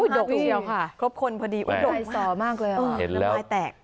ห้าถุงเดียวค่ะครบคนพอดีอุ๊ยดกไหลสอมากเลยอ่ะเออน้ำลายแตก